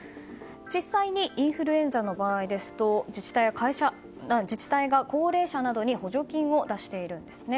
実際にインフルエンザの場合ですと自治体が高齢者などに補助金を出しているんですね。